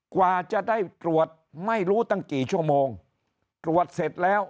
กว่าจะได้ตรวจไม่รู้ตั้งกี่ชั่วโมงตรวจเสร็จแล้ว